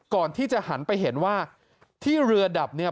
ก่อนที่จะหันไปเห็นว่าที่เรือดับเนี่ย